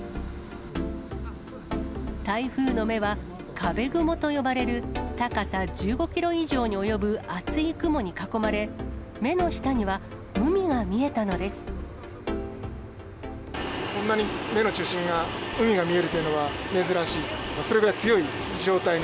台風の目は、壁雲と呼ばれる高さ１５キロ以上に及ぶ厚い雲に囲まれ、目の下にこんなに目の中心が海が見えるというのは珍しい。